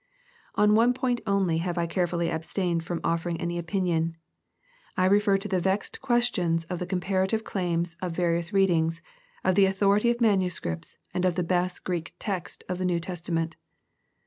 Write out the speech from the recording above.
On one point only I have carefully abstained from offering any opinion. I refer to the vexed questions of the comparative claims of various readings, of the authority of manuscripts, and of the best Greek text of the New Testament.